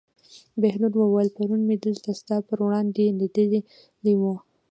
بهلول وویل: پرون مې دلته ستا پر وړاندې لیدلی و.